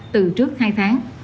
từ trước hai tháng